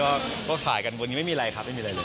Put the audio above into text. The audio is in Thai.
ก็ถ่ายกันบนนี้ไม่มีอะไรครับไม่มีอะไรเลย